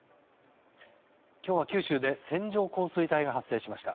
今日は九州で線状降水帯が発生しました。